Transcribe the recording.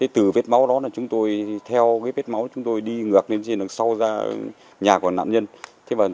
từ vết máu đó chúng tôi theo vết máu đi ngược lên trên đường sau nhà của nạn nhân